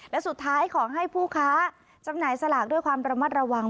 และสุดท้ายขอให้ผู้ค้าจำหน่ายสลากด้วยความระมัดระวัง